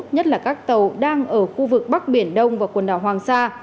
nhất là các tàu đang ở khu vực bắc biển đông và quần đảo hoàng sa